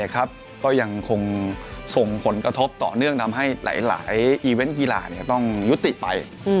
ก็ยังคงส่งผลกระทบต่อเนื่องทำให้หลายอีเวนต์กีฬาต้องยุติไป